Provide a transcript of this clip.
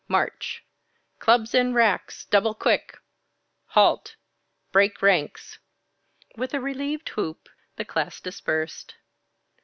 March. Clubs in racks. Double quick. Halt. Break ranks." With a relieved whoop, the class dispersed.